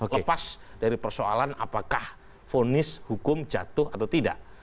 lepas dari persoalan apakah fonis hukum jatuh atau tidak